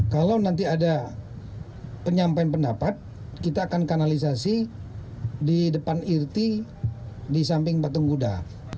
kalau nanti ada penyampaian pendapat kita akan kanalisasi di depan irti di samping patung kuda